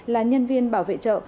là nhân viên bảo vệ chợ